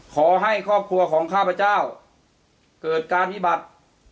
ขอให้ครอบครัวของข้าพเจ้าเกิดการพิบัติ